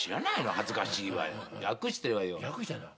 恥ずかしいわよ